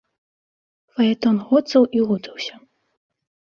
Фаэтон гоцаў і гутаўся.